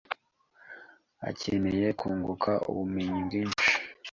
akeneye kunguka ubumenyi bwinshi.